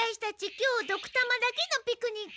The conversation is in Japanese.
今日ドクたまだけのピクニックで。